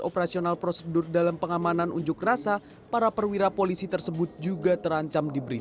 operasional prosedur dalam pengamanan unjuk rasa para perwira polisi tersebut juga terancam diberi